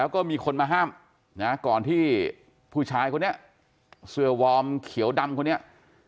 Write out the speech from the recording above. ก็มีคนมาห้ามก่อนผู้ชายสเวียวอาร์มเขียวดำ